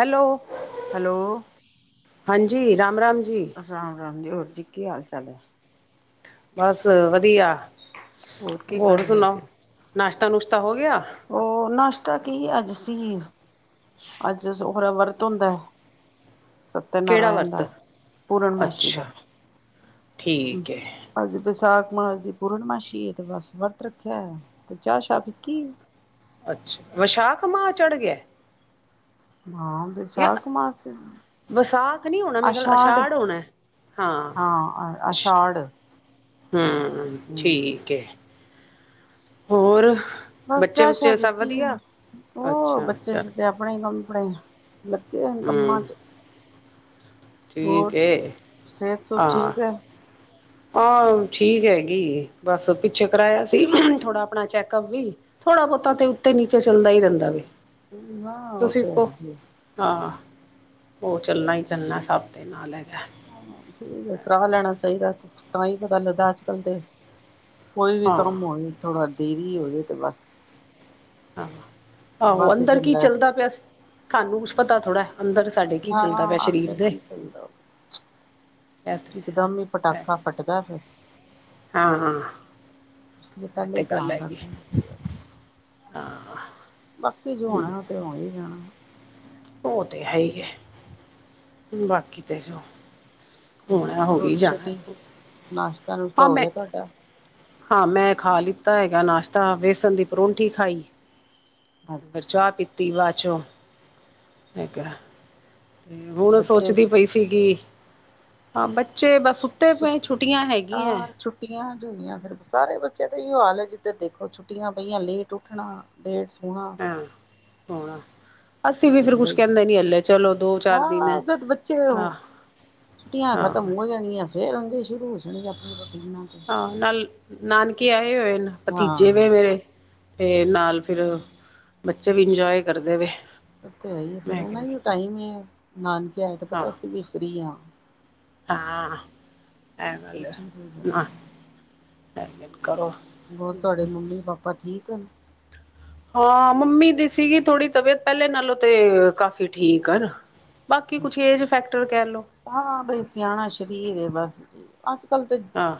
Hello. Hello- ਹਾਂਜੀ, ਰਾਮ -ਰਾਮ ਜੀ। ਰਾਮ- ਰਾਮ ਜੀ, ਹੋਰ ਜੀ ਕੀ ਹਾਲ- ਚਾਲ ਹੈ? ਬਸ ਵਧੀਆ ਕੀ ਕਰ ਹੋਰ ਰਹੇ ਸੁਨਾਉ, ਸੀ? ਨਾਸ਼ਤਾ- ਨੁਸ਼ਤਾ ਹੋ ਗਿਆ? ਉਹ ਨਸ਼ਤਾ ਕੀ ਅੱਜ ਅਸੀ- ਅੱਜ ਸੋਮਵਾਰ ਵਰਤ ਹੁੰਦਾ? ਕਿਹੜਾ ਸਤਿਨਾਰਾਇਣ ਵਰਤ ਦਾ, ਪੂਰਨਮਾਸ਼ੀ ਅੱਛਾ ਦਾ। ਠੀਕ ਏ। ਅੱਜ ਵਿਸਾਖ ਮਾਹ ਦੀ ਪੂਰਨਮਾਸ਼ੀ ਏ ਤੇ ਬਸ ਵਰਤ ਰੱਖਿਆ ਹੋਇਆ, ਤੇ ਚਾਹ ਸ਼ਾਹ ਪੀਤੀ ਏ। ਅੱਛਾ, ਵਿਸ਼ਾਖ ਮਾਹ ਚੜ ਗਿਆ? ਹਾਂ ਜਾਂ ਵਿਸ਼ਾਖ ਮਾਸ ਏ, ਵਿਸਾਖ ਨਹੀਂ ਹੋਣਾ ਮੇਰੇ ਖਿਆਲ ਅਸ਼ਾਢ। ਅਸ਼ਾੜ ਹੋਣਾ ਹਾਂ ਅਛਾਂੜ। ਹੂੰ, ਠੀਕ ਏ, ਹੋਰ? ਬਸ ਬੱਚੇ ਚਾਹ- ਸ਼ਾਹ ਬੁੱਚੇ ਸਭ ਪੀਤੀ ਏ ਵਧੀਆ ਹੁਣ, ਹੋਰ ਅੱਛਾ ਬੱਚੇ ਅੱਛਾ ਸੁੱਤੇ ਆਪਣੇ ਹੀ ਕੰਮ-ਕੂਮ। ਲੱਗੇ ਹੋਏ ਨੇ ਕੰਮਾਂ ਹਮ ਚ। ਹੋਰ ਠੀਕ ਏ, ਸਿਹਤ ਸੁਹਤ ਹਾਂ‌। ਠੀਕ ਹੈ ਆਹ ਠੀਕ ਹੈਗੀ ਏ, ਬਸ ਪਿੱਛੇ ਕਰਾਇਆ ਸੀ ਥੋੜਾ ਆਪਣਾ ਚੈੱਕਅਪ ਵੀ। ਥੋੜਾ- ਬਹੁਤਾ ਤੇ ਉੱਤੇ- ਨੀਚੇ ਚੱਲਦਾ ਹੀ ਰਹਿੰਦਾ ਵੇ। ਓਹੀ ਨਾ, ਉਹ ਤਾਂ ਹੈ ਈ ਹੈ। ਹਾਂ ਉਹ ਚੱਲਣਾ ਹੀ ਚੱਲਣਾ, ਸੱਭ ਦੇ ਨਾਲ ਹੈਗਾ। ਠੀਕ ਕਰਾਹ ਲੈਣਾ ਚਾਹੀਦਾ ਕੁਝ, ਤਾਂ ਹੀ ਪਤਾ ਲੱਗਦਾ ਅੱਜਕੱਲ ਤੇ। ਕੋਈ ਵੀ ਹਾਂ ਕਰਮ ਹੋਵੇ ਥੋੜਾ ਦੇਰੀ ਹੋ ਜਾਵੇ ਤੇ ਬਸ ਆਹੋ, ਆਹੋ ਵੱਧ ਅੰਦਰ ਕੀ ਜਾਂਦਾ ਚੱਲਦਾ ਪਿਆ ਸਾਨੂੰ ਕੁਛ ਪਤਾ ਥੋੜਾ ਅੰਦਰ ਸਾਡੇ ਕੀ ਹਾਂ ਚੱਲਦਾ ਪਿਆ ਸਰੀਰ ਅੰਦਰ ਦੇ। ਕੀ ਚੱਲਦਾ ਇਕਦਮ ਹੀ ਤੇ ਪਟਾਕਾ ਫੱਟਦਾ ਫੇਰ। ਹਾਂ -ਹਾਂ। ਇਸ ਲਈ ਇਹ ਪਹਿਲੇ ਹੀ ਧਿਆਨ ਰੱਖਣਾ ਚਾਹੀਦਾ। ਆ ਹਾ। ਬਾਕੀ ਜੋ ਹੋਣਾ, ਓ ਤੇ ਹੋਣਾ ਈ ਹੋਣਾ। ਉਹ ਤੇ ਹੈ ਹੀ ਹੈ, ਬਾਕੀ ਤੇ ਜੋ। ਹੋਣਾ ਹੋਰ ਹੋ ਹੀ ਰੋਟੀ- ਜਾਣਾ ਸ਼ੋਟੀ, ਨਾਸ਼ਤਾ- ਨੁਸ਼ਤਾ ਹਾਂ ਹੋ ਮੈਂ ਗਿਆ ਤੁਹਾਡਾ? ਹਾਂ ਮੈਂ ਖਾ ਲਿੱਤਾ ਹੈਗਾ ਨਾਸ਼ਤਾ, ਵੇਸਣ ਦੀ ਪਰੋਂਂਠੀ ਖਾਈ। ਫੇਰ ਅੱਛਾ ਚਾਹ ਪੀਤੀ ਬਾਅਦ ਚੋਂ। ਮੈਂ ਕਿਹਾ, ਤੇ ਹੁਣ ਬੱਚੇ ਸੋਚਦੀ ਪਈ, ਸੁ ਸੀਗੀ, ਹਾਂ ਬੱਚੇ ਬਸ- ਸੁੱ ਪਏ ਛੁੱਟੀਆਂ ਤਾ ਹੈਗੀਆਂ ਛੁ ਛੁੱਟੀਆਂ ਜੋ ਹੋਈਆਂ ਫੇਰ, ਸਾਰੇ ਬੱਚੇ ਤਾਂ ਇਹੀ ਹਾਲ ਹੈ ਜਿੱਧਰ ਦੇਖੋ ਛੁੱਟੀਆਂ ਪਈਆਂ ਲੇਟ ਉੱਠਣਾ। ਲੇਟ ਸੋਣਾ। ਹਾਂ ਸੋਣਾ। ਅਸੀਂ ਤੇ ਵੀ ਫੇਰ ਚੱਲਦਾ ਕੁੱਛ ਹੀ ਕਹਿੰਦੇ ਨਹੀਂ ਹਲੇ ਚਲੋ ਦੋ- ਚਾਰ ਦਿਨ ਹੈ। ਹਾਂ ਜਦ ਬੱਚੇ ਉਹ ਛੁੱਟੀਆਂ ਖ਼ਤਮ ਹੋ ਜਾਣੀਆਂ ਫੇਰ ਆ ਸ਼ੁਰੂ ਹੋਣ ਆਪਣੀ ਰੋਟੀ ਬਣਾ ਕੇ। ਹਾ ਨਾਲ ਨਾਨਕੇ ਆਏ ਹੋਏ ਨ ਹਾਂ ਭਤੀਜੇ ਵੇ ਮੇਰੇ। ਤੇ ਨਾਲ ਫੇਰ ਬੱਚੇ ਵੀ ਇੰਜੋਏ ਕਰਦੇ ਵੇ। ਉਹ ਤੇ ਹੈ ਈ ਏ ਫੇਰ ਮੈਂ ਉਹਨਾ ਕਹਿੰਦੀ ਟਾਈਮ ਈ ਏਹੀ ਏ ਨਾਨਕੇ ਆਏ ਤੇ ਪਤਾ ਅਸੀਂ ਵੀ ਫ੍ਰੀ ਹਾਂ। ਤਾਂ, ਇਹ ਗੱਲ ਉਹ ਹੈ, ਚੀਜ਼ ਹੋ ਆਪਣਾ ਜਾਂਦੀ ਹੈ ਟਾਈਮਿੰਗ ਕਰੋ। ਹੋਰ ਤੁਹਾਡੇ ਮੰਮੀ ਪਾਪਾ ਠੀਕ ਹਨ? ਹਾਂ ਮੰਮੀ ਦੀ ਸੀਗੀ ਥੋੜੀ ਤਬੀਅਤ, ਪਹਿਲੇ ਨਾਲੋਂ ਤੇ ਕਾਫ਼ੀ ਠੀਕ ਹਨ। ਬਾਕੀ ਕੁੱਛ ਏਜ ਫੈਕਟਰ ਕਹਿ ਲਉ। ਹਾਂ ਬਈ ਸਿਆਣਾ ਸਰੀਰ ਬਸ ਅੱਜ ਕੱਲ ਤਾਂ ਹਾਂ।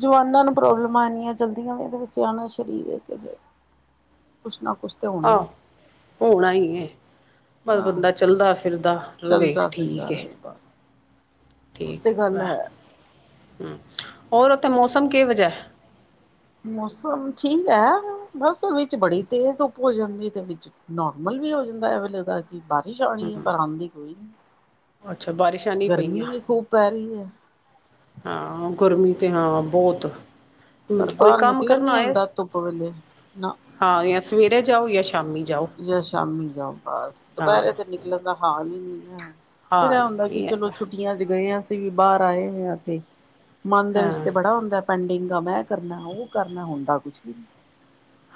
ਜਵਾਨਾਂ ਨੂੰ ਪ੍ਰੋਬਲਮਾਂ ਇਨੀਆਂ ਚਲਦੀਆਂ ਵੇ, ਸਿਆਣਾ ਸਰੀਰ ਤੇ ਫੇਰ। ਕੁੱਛ ਨਾ ਕੁੱਛ ਆਹੋ ਹੋਣਾ ਹੀ ਹੈ, ਬਸ ਹਾਂ ਬੰਦਾ ਚੱਲਦਾ ਫਿਰਦਾ ਰਹਵੇ ਚੱਲਦਾ ਫਿਰਦਾ ਠੀਕ ਹੈ ਰਹੇ ਬਸ ਠੀਕ ਉਤੇ ਹੈ ਗੱਲ ਵੈ। ਹਮ ਹੋਰ ਉੱਥੇ ਮੌਸਮ ਕਿਹੋ ਜਿਹਾ? ਮੌਸਮ ਠੀਕ ਹੈ, ਬਸ ਵਿੱਚ ਬੜੀ ਤੇਜ਼ ਧੁੱਪ ਹੋ ਜਾਂਦੀ ਤੇ ਵਿੱਚ। ਨੋਰਮਲ ਵੀ ਹੋ ਜਾਂਦਾ ਹੈ, ਇਹ ਵੇਲੇ ਬਾਅਦ? ਕਿ ਬਾਰਿਸ਼ ਹੂੰ ਆਉਣੀ ਹੈ, ਪਰ ਆਉਂਦੀ ਕੋਈ ਨਹੀਂ, ਅੱਛਾ ਬਾਰਿਸ਼ਾਂ ਨਹੀਂ ਪਈਆਂ। ਗਰਮੀਂ ਵੀ ਖੂਬ ਪੈ ਰਹੀ ਹੈ। ਹਾਂ ਗਰਮੀਂ ਤੇ ਹਾਂ ਬਹੁਤ। ਪਰ ਕੋਈ ਬਾਹਰ ਕੰਮ ਨਿਕਲਣ ਕਰਨਾ ਨਹੀਂ ਹੋਏ ਹੁੰਦਾ ਧੁੱਪ ਵੇਲੇ ਨਾ। ਹਾਂ ਜਾਂ ਸਵੇਰੇ ਜਾਓ, ਜਾਂ ਸ਼ਾਮੀ ਜਾਓ। ਜਾਂ ਸ਼ਾਮੀ ਜਾਓ, ਬਸ ਹਾਂ ਦੁਪਹਿਰੇ ਤੇ ਨਿਕਲਣ ਦਾ ਹਾਲ ਹੀ ਨਹੀਂ ਹੈ। ਫਿਰ ਹਾਂ ਇਹ ਹੁੰਦਾ, ਕਿ ਚਲੋ ਹੈਗਾ। ਛੁੱਟੀਆਂ ਛੁੱਟੀਆਂ ਚੱ ਗਏ, ਅਸੀ ਵੀ ਬਾਹਰ ਆਏ ਹੋਏ, ਉੱਥੇ ਮਨ ਦੇ ਵਿੱਚ ਤੇ ਹਾਂ ਬੜਾ ਹੁੰਦਾ। ਪੈਂਡਿੰਗ ਕੰਮ ਆ ਕਰਨਾ, ਉਹ ਕਰਨਾ, ਹੁੰਦਾ ਕੁੱਛ ਵੀ ਨਹੀਂ।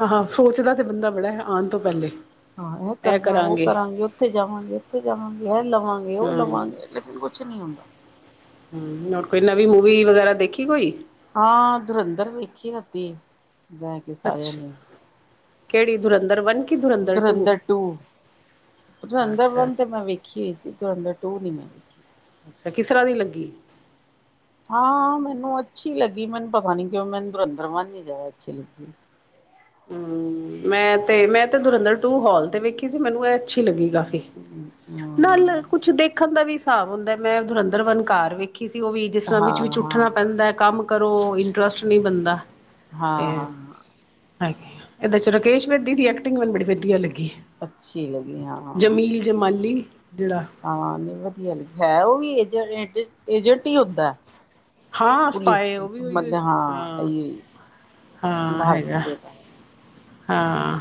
ਹਾਂ -ਹਾਂ ਸੋਚਦਾ ਤੇ ਬੰਦਾ ਬੜਾ ਹੈ ਆਉਣ ਤੋਂ ਪਹਿਲੇ! ਹਾਂ ਇਹ ਕਰਨਾ, ਉਹ ਕਰਾਂਗੇ, ਉੱਥੇ ਜਾਵਾਂਗੇ, ਇੱਥੇ ਜਾਵਾਂਗੇ, ਇਹ ਲਵਾਂਗੇ, ਉਹ ਹਾਂ ਹਮ ਲਵਾਂਗੇ, ਲੇਕਿਨ ਕੁੱਛ ਨਹੀਂ ਹੁੰਦਾ। ਹਮ ਹੋਰ ਕੋਈ ਨਵੀਂ ਮੂਵੀ ਵਗੈਰਾ ਦੇਖੀ ਕੋਈ? ਹਾਂ ਧੁਰੰਧਰ ਵੇਖੀ ਰਾਤੀ ਬਹਿ ਕੇ ਸਾਰਿਆਂ ਅੱਛਾ ਨੇ ਕਿਹੜੀ ਧੁਰੰਧਰ ਵਨ? ਧੁਰੰਧਰ ਟੂ। ਧੁਰੰਧਰ ਅੱਛਾ ਵਨ ਤੇ ਮੈਂ ਵੇਖੀ ਹੋਈ ਸੀ, ਤੇ ਧੁਰੰਧਰ ਟੂ ਨਹੀਂ ਮੈਂ ਵੇਖੀ ਸੀ। ਅੱਛਾ, ਕਿਸ ਤਰਾਂ ਦੀ ਲੱਗੀ? ਹਾਂ ਮੈਨੂੰ ਅੱਛੀ ਲੱਗੀ, ਮੈਨੂੰ ਪਤਾ ਨੀ ਕਿਉਂ ਮੈਨੂੰ ਧੁਰੰਧਰ ਵਨ ਨੀ ਜ਼ਿਆਦਾ ਅੱਛੀ ਲੱਗੀ। ਹਮ, ਮੈਂ ਤੇ ਮੈਂ ਤੇ ਧੁਰੰਧਰ ਟੂ, ਹਾਲ ਤੇ ਵੇਖੀ ਸੀ, ਮੈਨੂੰ ਇਹ ਅੱਛੀ ਲੱਗੀ ਕਾਫੀ। ਨਾਲ ਹਾਂ ਕੁੱਛ ਦੇਖਣ ਦਾ ਵੀ ਹਿਸਾਬ ਹੁੰਦਾ, ਮੈਂ ਧੁਰੰਧਰ ਵਨ ਘਰ ਵੇਖੀ ਵੇਖੀ ਸੀ, ਉਹ ਵੀ ਜਿਸ ਤਰ੍ਹਾਂ ਵਿੱਚ ਵੀ ਹਾਂ ਹਾਂ ਉੱਠਣਾ ਹਾਂ ਪੈਂਦਾ, ਕੰਮ ਕਰੋ ਇੰਟਰਸਟ ਨਹੀਂ ਬਣਦਾ। ਹਾਂ- ਹਾਂ! ਹਾਂ ਇਹਦੇ ਚੱ ਰਾਕੇਸ਼ ਬੇਦੀ ਦੀ ਐਕਟਿੰਗ ਮੈਨੂੰ ਬੜੀ ਵਧੀਆ ਲੱਗੀ। ਅੱਛੀ ਲੱਗੀ ਹਾਂ। ਜਮੀਲ ਜਮਾਲੀ ਜਿਹੜਾ ਹਾਂ ਨਹੀਂ ਵਧੀਆ ਲੱਗੀ ਹੈ, ਉਹ ਵੀ ਏਜੰਟ- ਏਜੰਟ ਹੀ ਹੁੰਦਾ। ਹਾਂ ਪੁਲਿਸ ਸਪਾਏ ਚ ਉਹ ਵੀ ਉਹੀ ਹੋ, ਮਤਲਬ ਹਾਂ- ਇਹ ਹਾਂ ਹੈਗਾ। ਭਾਰਤੀ ਦਾ ਹਾਂ।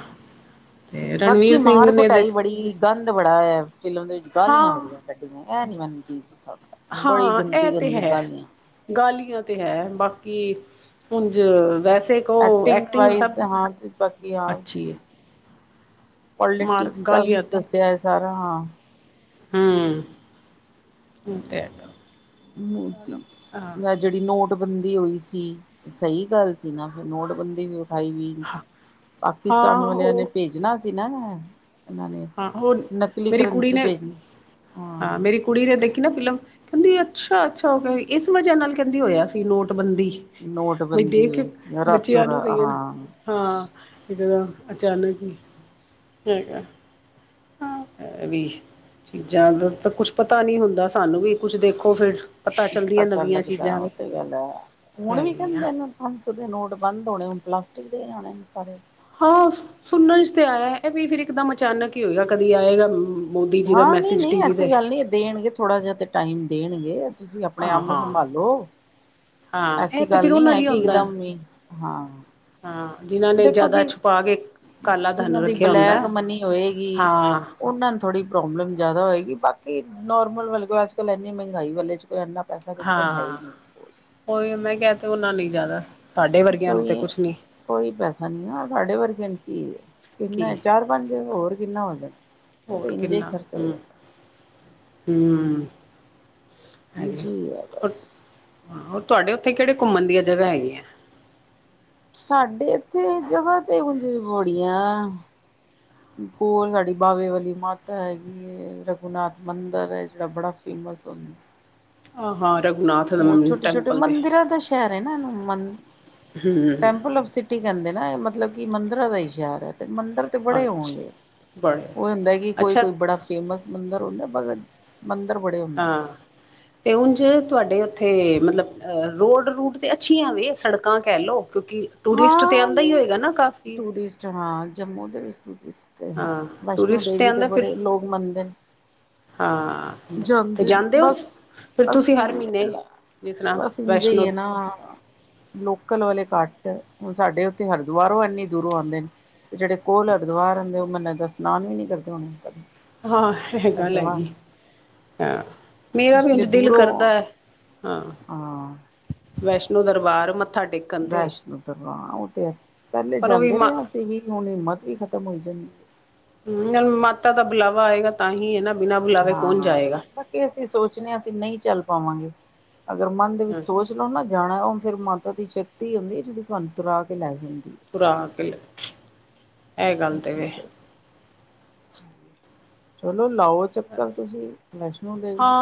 ਤੇ ਬਾਕੀ ਰਣਵੀਰ ਸਿੰਘ ਮਾਰ ਨੇ ਕੁਟਾਈ ਦੇ ਬੜੀ, ਗੰਦ ਬੜਾ ਹੈ। ਫਿਲਮ ਦੇ ਵਿੱਚ ਹਾਂ ਗਾਲੀਆਂ ਬੜੀਆਂ ਕੱਢੀਆਂ, ਇਹ ਨੀ ਮੈਨੂੰ ਚੀਜ਼ ਪਸੰਦ ਬੜੀ ਹਾਂ ਇਹ ਗੰਦੀ- ਤੇ ਗੰਦੀ ਹੈ ਗਾਲੀਆਂ। ਗਾਲੀਆਂ ਤੇ ਹੈ ਬਾਕੀ, ਉਂਝ ਵੈਸੇ ਉਹ ਐਕਟਿੰਗ ਸਭ ਵਾਈਜ਼ ਹਾਂ ਬਾਕੀ ਅੱਛੀ ਹੈ। ਪੋਲੇ ਮਾਰ ਟਿਕਸ ਦਾ ਵੀ ਗਾਲੀਆਂ ਦੱਸਿਆ ਏ ਸਾਰਾ, ਹਾਂ। ਹੂੰ, ਉ ਤੇ ਹੈਗਾ। ਮੋਦੀ, ਹਾਂ ਨੈ ਜੇੜੀ ਨੋਟਬੰਦੀ ਹੋਈ ਸੀ, ਸਹੀ ਗੱਲ ਸੀ ਨਾ। ਨੋਟਬੰਦੀ ਵੀ ਵਿਖਾਈ ਵੀਂਜ ਹਾਂ ਹਾਂ ਪਾਕਿਸਤਾਨ ਵਾਲਿਆਂ ਨੇ ਉਹ ਭੇਜਣਾ ਸੀ ਨਾ। ਇਹਨਾਂ ਨੇ, ਹਾਂ ਉਹ ਨਕਲੀ ਮੇਰੀ ਕੁੜੀ ਕਰੰਸੀ ਨੇ ਭੇਜਣੀ ਸੀ, ਹਾਂ। ਕੁੜੀ ਨੇ ਦੇਖੀ ਨਾ ਫਿਲਮ, ਕੈੰਦੀ ਅੱਛਾ-ਅੱਛਾ ਓਹ ਫੇਰ ਇਸ ਵਜ੍ਹਾ ਨਾਲ ਕੈੰਦੀ ਹੋਇਆ ਸੀ ਨੋਟਬੰਦੀ। ਬਈ ਨੋਟਬੰਦੀ ਦੇਖ ਹੋਈ ਸੀ ਰਾਤੋਂ ਬੱਚਿਆਂ ਰਾ ਨੂੰ ਕਈਅਣ, ਹਾਂ ਹਾਂ। ਇ ਜਗ੍ਹਾ ਅਚਾਨਕ ਈ, ਹੈਗਾ। ਹਾਂ, ਐਵੀ ਚੀਜ਼ਾਂ ਜਦ ਤਕ ਕੁਛ ਪਤਾ ਨੀ ਹੁੰਦਾ ਸਾਨੂੰ ਵੀ ਕੁਛ ਦੇਖੋ ਫੇਰ। ਪਤਾ ਲੱਗਦੈ ਓਹ ਤੇ ਗੱਲ ਐ, ਹੁਣ ਵੀ ਹੈਗੀਆਂ ਕੈੰਦੇ ਨੇ। ਪੰਜ ਸੋ ਦੇ ਨੋਟ ਬੰਦ ਹੋਣੇ, ਹੁਣ ਪਲਾਸਟਿਕ ਦੇ ਈ ਆਣੇਣ ਸਾਰੇ। ਹਾਂ, ਸੁਣਨ'ਚ ਤੇ ਆਯਾ ਏ, ਐ ਵੀ ਫਿਰ ਇੱਕਦਮ ਅਚਾਨਕ ਈ ਹੋਏਗਾ ਕਦੀ ਆਏਗਾ ਮ ਹਾਂ, ਨਹੀਂ-ਨਹੀਂ ਐਸੀ ਗੱਲ ਨੀ ਐ, ਦੇਣਗੇ ਥੋੜਾ ਜਾ ਤੇ ਟਾਈਮ ਦੇਣਗੇ। ਤੁਸੀਂ ਹਾਂ ਅਪਣੇ-ਆਪ ਨੂੰ ਹਾਂ ਸੰਭਾਲੋ। ਹਾਂ ਐਸੀ ਇਹ ਤਾਂ ਗੱਲ ਫਿਰ ਨੀ ਉਹਨਾਂ ਐ, ਲਈ ਕਿ ਹੁੰਦਾ ਇੱਕਦਮ ਈ, ਹਾਂ। ਹਾਂ, ਜਿਨਾ ਦੇਖੋ ਜੀ, ਜਿਨਾਂ ਦੀ ਰੱਖਿਆ ਹੁੰਦਾ ਬਲੈਕ ਮਨੀ ਹੋਏਗੀ ਹਾਂ ਓਨਾਂ ਨੂੰ ਥੋੜ੍ਹੀ ਪ੍ਰੋਬਲਮ ਜਾਦਾ ਹੋਏਗੀ, ਬਾਕੀ ਨੌਰਮਲ ਵਾਲੇ ਕੋਲ, ਅੱਜ-ਕੱਲ੍ਹ ਐਨੀ ਮਹਿੰਗਾਈ ਵਾਲੇ 'ਚ ਕੋਈ ਐਨਾ ਹਾਂ, ਓਈਓ ਮੈਂ ਕਿਆ ਤੇ ਓਹਨਾ ਨੇ ਈ ਜਾਦਾ। ਕੋਈ, ਕੋਈ ਪੈਸਾ ਨੀ ਐ, ਓਹ ਸਾਡੇ ਵਰਗੇ ਆ ਨੂੰ ਕੀ ਏ, ਕਿੰਨਾ ਕੀ ਏ ਚਾਰ ਪੰਜ ਹੋਰ ਕਿੰਨਾ ਹੋਣੈ? ਓਹ ਹੋਰ ਤੇ ਇੰਜੇ ਈ ਕਿੰਨਾ ਖਰਚ ਹੋ ਹੂੰ ਜਣ। ਹੂੰ, ਹੈਗੇ, ਜੀ ਆ ਪ ਬਸ ਹਾਂ, ਔਰ ਤੁਵਾਡੇ ਓਥੇ ਕੇੜੇ ਘੁੰਮਣ ਦੀਆਂ ਜਗਾਂ ਹੈਗੀਆ? ਸਾਡੇ ਇੱਥੇ ਜਗ੍ਹਾ ਤੇ ਉੰਝ ਬੜੀਆ। ਕੋਲ ਸਾਡੀ ਬਾਵੇ ਵਾਲੀ ਮਾਤਾ ਹੈਗੀ। ਏ ਰਘੁਨਾਥ ਮੰਦਰ ਐ, ਜੇੜਾ ਬੜਾ ਫੇਮਸ ਹੋੰ ਆਹਾਂ, ਰਘੁਨਾਥ ਆਲਾ ਮੰ ਛੋਟੇ ਛੋਟੇ ਟੈਂਪਲ ਤੇ, ਮੰਦਿਰਾਂ ਦਾ ਸ਼ਹਿਰ ਹੈ ਨਾ ਇਹਨੂੰ ਹੂੰ। ਟੀ ਕੈੰਦੇ ਨਾ ਏ, ਮਤਲਬ ਕਿ ਮੰਦਰਾ ਦਾ ਈ ਸ਼ਹਿਰ ਐ ਤੇ, ਮੰਦਰ ਤੇ ਬੜੇ ਅੱਛਾ ਹੋਣਗੇ, ਬੜੇ ਓਈ ਹੁੰਦੈ ਕਿ ਅੱਛਾ ਕੋਈ-ਕੋਈ ਬੜਾ ਫੇਮਸ ਮੰਦਰ ਹੁੰਦਾ, ਬਗਤ ਮੰਦਰ ਬੜੇ ਹੋਂ ਹਾਂ। ਤੇ ਉਂਝ ਤੁਵਾਡੇ ਓਥੇ, ਮਤਲਬ ਰੋਡ-ਰੂਡ ਤੇ ਅੱਛੀਆਂ ਵੇ, ਸੜਕਾਂ ਕਹਿਲੋ ਕਿਉਂਕਿ ਟੂਰਿਸਟ ਤੇ ਆੰਦਾ ਈ ਹੋਏਗਾ ਨਾ ਕਾਫੀ? ਅੱਛਾ, ਹਾਂ, ਜਮੂ ਦੇ ਵਿੱਚ ਟੂਰਿਸਟ ਤੇ ਹੈ, ਹਾਂ ਵੈਸ਼ਨੋ ਟੂਰਿਸਟ ਤੇ ਦੇਵੀ ਦੇ ਆਉਂਦਾ ਫਿਰ ਬੜੇ ਲੋਗ ਮੰਨਦੇ। ਹਾਂ। ਤੇ ਜਾਂਦੇਨ ਜਾਂਦੇ ਹੋ ਬਸ ਫਿਰ ਤੁਸੀਂ ਅਸੀ, ਹਰ ਮਹੀਨੇ ਲਾ ਜਿਸ ਤਰ੍ਹਾਂ ਬਸ ਇੰਜੇ ਈ ਵੈਸ਼ਨੋ ਏਨਾ। ਲੋਕਲ ਵਾਲੇ ਘੱਟ, ਹੁਣ ਸਾਡੇ ਓਥੇ ਹਰਿਦੁਆਰੋਂ ਐਨੀ ਦੂਰੋਂ ਆੰਦੇਨ ਤੇ ਜਿਹੜੇ ਕੋਲ ਹਰਦੁਆਰ ਹੂੰਦੇ, ਮਨ ਲਗਦਾ ਸਨਾਨ ਵੀ ਨੀ ਕਰਦੇ ਹੋਣੇ ਓਹ ਕਦੀ। ਹਾਂ, ਐਹ ਗੱਲ ਹੈਗੀ ਹਾਂ, ਮੇਰਾ ਵੀ ਇਸ ਲਈ ਉੰਝ ਦਿਲ ਦੂਰੋਂ ਕਰਦੈ ਹਾਂ, ਹਾਂ ਵੈਸ਼ਨੋ ਦਰਬਾਰ ਮੱਥਾ ਟੇਕ ਵੈਸ਼ਨੋ ਤਰਵਾ ਓਹ ਤੇ ਹੈ, ਪਹਿਲੇ ਪਰ ਉਹ ਵੀ ਜਾਂਦੇ ਮਾ ਰਿਆ ਅਸੀ ਵੀ ਹੁਣ, ਹਿੰਮਤ ਵੀ ਖ਼ਤਮ ਹੋਈ ਜਾਂਦੀ। ਹੈ ਨਹੀਂ ਮਾਤਾ ਦਾ ਬੁਲਾਵਾ ਆਏਗਾ ਤਾਂ ਹੀ ਏ ਨਾ, ਬਿਨਾ ਬੁਲਾਵੇ ਕੌਣ ਜਾਏਗਾ। ਕੇ ਅਸੀਂ ਸੋਚਨੇ ਆਂ ਅਸੀਂ ਨਹੀਂ ਚੱਲ ਪਾਵਾਂਗੇ, ਅਗਰ ਮਨ ਦੇ ਵਿੱਚ ਹੂੰ ਸੋਚ ਨੋ ਨਾ ਜਾਣਾ, ਓਹ ਫੇਰ ਮਾਤਾ ਦੀ ਸ਼ਕਤੀ ਹੁੰਦੀ ਏ ਜੇੜੀ ਤੁਹਾਨ ਤੂਰਾਕੇ ਲੈ ਜਾਂਦੀ ਏ। ਤੂਰਾ ਕੇ ਲੈ ਓਹ ਚੀਜ਼ ਏ, ਚਲੋ ਲਾਓ ਚਕਰ ਤੁਸੀਂ, ਵੈਸ਼ਨੋ ਦੇਵੀ।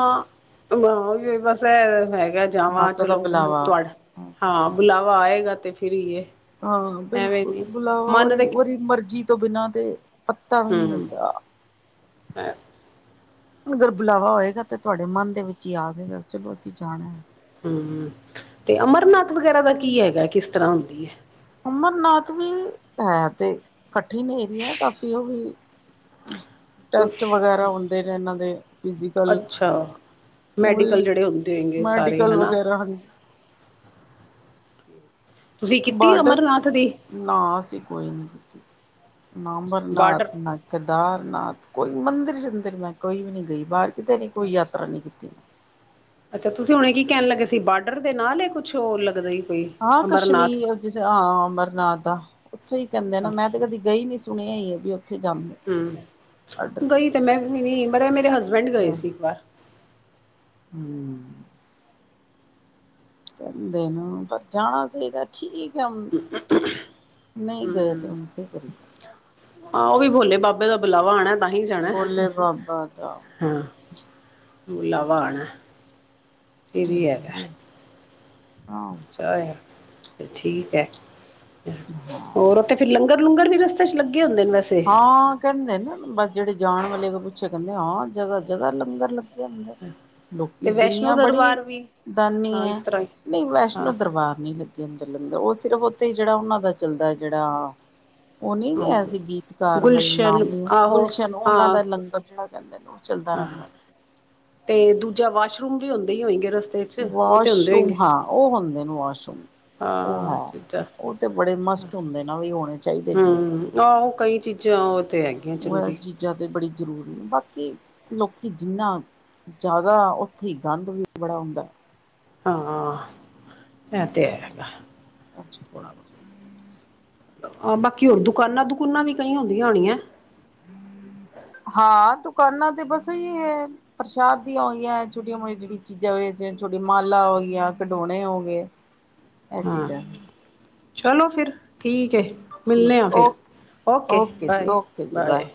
ਅ ਨਾ ਵੀ ਹੋਏ ਬਸ ਐ ਹੈਗਾ ਜਾਵਾਂ ਮਾਤਾ ਦਾ ਚਲੋ ਓਹ ਬੁਲਾਵਾ ਤੁਵਾਡਾ ਹਾਂ, ਬੁਲਾਵਾ ਆਏਗਾ ਤੇ ਫਿਰ ਈ ਏ। ਹਾਂ ਬਿਲਕੁਲ ਬੁਲਾਵਾ ਉਹਦੀ ਮਰਜ਼ੀ ਤੋਂ ਬਿਨਾਂ ਤੇ ਪੱਤਾ ਵੀ ਨਹੀਂ ਹੁੰਦਾ। ਮੈਂ ਅਗਰ ਬੁਲਾਵਾ ਹੋਏਗਾ ਤੇ ਤੁਹਾਡੇ ਮਨ ਦੇ ਵਿੱਚ ਹੀ ਆ ਜਾਏਗਾ ਚਲੋ ਅਸੀਂ ਜਾਣਾ ਹੈ। ਹੂੰ ਤੇ ਅਮਰਨਾਥ ਵਗੈਰਾ ਦਾ ਕੀ ਹੈਗਾ ਕਿਸ ਤਰ੍ਹਾਂ ਹੁੰਦੀ ਹੈ। ਅਮਰਨਾਥ ਵੀ ਹੈ ਤੇ ਕਠਿਨ ਏਰੀਆ ਕਾਫੀ ਉਹ ਵੀ ਟੈਸਟ ਵਗੈਰਾ ਹੁੰਦੇ ਨੇ ਇਹਨਾਂ ਦੇ। ਫਿਜ਼ੀਕਲ ਅੱਛਾ। ਉਹ ਮੈਡੀਕਲ ਜਿਹੜੇ ਹੁੰਦੇ ਹੈਗੇ ਸਾਰੇ ਮੈਡੀਕਲ ਹਨਾ ਵਗੈਰਾ ਹਾਂਜੀ ਤੁਸੀਂ ਕੀਤੀ ਬਾਰਡਰ ਅਮਰਨਾਥ ਦੀ ਨਾ ਅਸੀਂ ਕੋਈ ਨੀ ਕੀਤੀ ਨਾ ਅਮਰਨਾਥ ਬਾਰਡਰ ਕੇਦਾਰਨਾਥ ਕੋਈ ਮੰਦਿਰ ਸ਼ਨਦਰ ਮੈਂ ਕੋਈ ਵੀ ਨਹੀਂ ਗਈ ਬਾਹਰ ਕਿਤੇ ਨਹੀਂ ਕੋਈ ਯਾਤਰਾ ਨਹੀਂ ਕੀਤੀ ਮੈਂ। ਅੱਛਾ ਤੁਸੀਂ ਹੁਣੇ ਕੀ ਕਹਿਣ ਲੱਗੇ ਸੀ ਬਾਰਡਰ ਦੇ ਨਾਲ ਹੀ ਕੁਛ ਹੋਰ ਲੱਗਦਾ। ਕੋਈ ਹਾਂ ਅਮਰਨਾਥ ਕਸ਼ਮੀਰ ਜ ਹਾਂ ਅਮਰਨਾਥ ਉੱਥੇ ਹੀ ਕਹਿੰਦੇ ਨਾ ਮੈਂ ਤੇ ਅੱਛਾ ਕਦੀ ਗਈ ਨੀ। ਸੁਣਿਆ ਹੀ ਹੈ ਵੀ ਉੱਥੇ ਜਾਂਦੇ। ਆਡਰ ਹੂੰ ਗਈ ਤਾਂ ਕਰਨਾ ਮੈਂ ਵੀ ਨਹੀਂ ਪਰ ਮੇਰੇ ਹਸਬੈਂਡ ਗਏ ਸੀ ਇੱਕ ਵਾਰ। ਹੂੰ ਕਹਿੰਦੇ ਨੇ ਪਰ ਜਾਣਾ ਚਾਹੀਦਾ ਠੀਕ। ਨਹੀਂ ਗਏ ਤੇ ਉਹ ਕੀ ਕਰੀਏ। ਹਾਂ ਉਹ ਵੀ ਭੋਲੇ ਬਾਬਾ ਦਾ ਬੁਲਾਵਾ ਆਉਣਾ ਤਾਂ ਹੀ ਜਾਣਾ ਬੋਲੇ ਬਾਬਾ ਦਾ ਹਾਂ‌। ਬੁਲਾਵਾ ਆਣਾ। [unintelligible] ਹਾਂ ਅੱਛਾ ਹੈ ਠੀਕ ਹੈ। ਹਾਂ ਹੋਰ? ਤੇ ਫਿਰ ਲੰਗਰ ਲੂਗਰ ਵੀ ਰਸਤੇ ਚ ਲੱਗੇ ਹੁੰਦੇ ਵੈਸੇ? ਹਾਂ ਕਹਿੰਦੇ ਨਾ ਬਸ ਜਿਹੜੇ ਜਾਣ ਵਾਲੇ ਨੂੰ ਪੁੱਛਿਆ ਕਹਿੰਦੇ ਹਾਂ ਜਗ੍ਹਾ ਜਗ੍ਹਾ ਲੰਗਰ ਲੱਗੇ। ਲੱਗੇ ਹੁੰਦੇ ਤੇ ਲੋਕੀ ਵੈਸ਼ਨੋ ਦੁਨੀਆਂ ਬੜੀ ਦਰਬਾਰ ਵੀ ਦਾਨੀ ਹਾਂ ਇਸ ਹੈ ਤਰ੍ਹਾਂ ਹੀ ਨਹੀਂ ਵੈਸ਼ਨੋ ਹਾਂ ਦਰਬਾਰ ਨਹੀਂ ਲੱਗਿਆ। ਅੰਦਰ ਲੰਗਰ ਉਹ ਸਿਰਫ ਉੱਥੇ ਹੀ ਜਿਹੜਾ ਉਹਨਾਂ ਦਾ ਚੱਲਦਾ ਜਿਹੜਾ ਉਹ ਨਹੀਂ ਹਾਂ ਹੈ ਸੀ ਗੀਤ। ਕਾਰਮਨ ਗੁਲਸ਼ਨ ਨਾਮ ਨੀ ਆਹੋ ਗੁਲਸ਼ਨ ਉਹਨਾਂ ਹਾਂ ਦਾ ਲੰਗਰ ਜਿਹੜਾ ਕਹਿੰਦੇ ਨੇ ਚੱਲਦਾ ਹਾਂ ਰਹਿੰਦਾ ਤੇ ਦੂਜਾ ਵਾਸ਼ਰੂਮ ਵੀ ਹੁੰਦੇ ਹੀ ਹੋਏਗੇ ਰਸਤੇ ਚ ਉਹ ਤੇ ਹੁੰਦੇ ਵਾਸ਼ਰੂਮ ਹੋਏਗੇ ਹਾਂ ਉਹ ਹੁੰਦੇ ਨੇ ਵਾਸ਼ਰੂਮ। ਉਹ ਹਾਂ ਹੈ ਚੀਜ਼ਾਂ ਉਹ ਤੇ ਬੜੇ ਮਸਟ ਹੁੰਦੇ ਨਾ ਵੀ ਹੋਣੇ ਚਾਹੀਦੇ ਵੀ ਆ। ਆਹ ਉਹ ਕਈ ਚੀਜ਼ਾਂ ਉਹ ਤੇ ਹੈ। ਉਹ ਇਹ ਚੀਜ਼ਾਂ ਤੇ ਬੜੀ ਜ਼ਰੂਰੀ ਨੇ ਬਾਕੀ ਲੋਕੀ ਜਿੰਨਾ ਜ਼ਿਆਦਾ ਉੱਥੇ ਹੀ ਗੰਦ ਵੀ ਬੜਾ ਹੁੰਦਾ। ਹਾਂ ਇਹ ਤੇ ਹੈ ਹੈਗਾ ਹੈ। ਥੋੜਾ ਬਹੁਤਾ ਬਾਕੀ ਹੋਰ ਦੁਕਾਨਾਂ ਦਕੁਨਾ ਵੀ ਕਈ ਹੁੰਦੀਆਂ ਹੋਣੀਆਂ‌। [unintelligible] ਹਾਂ ਦੁਕਾਨਾਂ ਤੇ ਬਸ ਏਹੀ ਹੈ ਪ੍ਰਸ਼ਾਦ ਦੀਆਂ ਹੋਈਆਂ ਛੋਟੀਆਂ ਮੋਟੀਆਂ ਜਿਹੜੀ ਚੀਜ਼ਾਂ ਜਿਵੇ ਛੋਟੀੀਆਂ ਮਾਲਾ ਹੋ ਗਈਆਂ, ਖਡੋਣੇ ਹੋ ਗਏ ਇਹ ਹਾਂ ਚੀਜ਼ਾਂ ਚਲੋ ਫਿਰ ਠੀਕ ਹੈ ਮਿਲਦੇ ਹਾਂ ਠੀਕ ਓ ਫਿਰ ਓਕੇ ਜੀ ਬਾਏ ਓਕੇ ਜੀ ਬਾਏ।